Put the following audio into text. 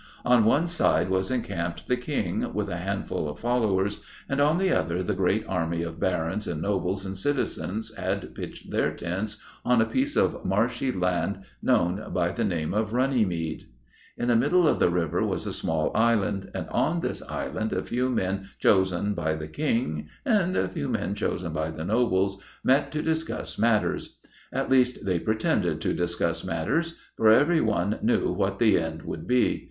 On one side was encamped the King, with a handful of followers, and on the other the great army of Barons, and nobles, and citizens had pitched their tents on a piece of marshy land known by the name of Runnymede. In the middle of the river was a small island, and on this island a few men chosen by the King, and a few men chosen by the Nobles, met to discuss matters; at least, they pretended to discuss matters, for everyone knew what the end would be.